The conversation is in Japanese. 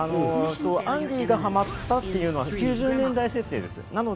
アンディがハマったというのは９０年代設定です。